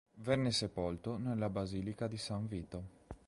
Venne sepolto nella basilica di San Vito.